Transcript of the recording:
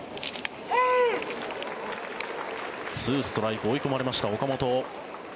２ストライク、追い込まれました岡本。